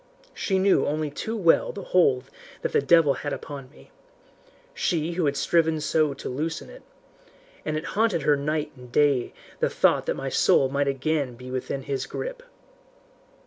She knew only too well the hold that the devil had upon me she who had striven so to loosen it and it haunted her night and day the thought that my soul might again be within his grip.